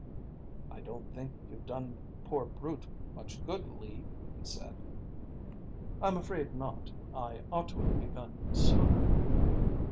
"I don't think you've done the poor brute much good, Lee," he said. "I'm afraid not. I ought to have begun sooner."